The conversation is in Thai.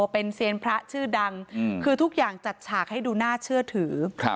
เป็นเซียนพระชื่อดังคือทุกอย่างจัดฉากให้ดูน่าเชื่อถือ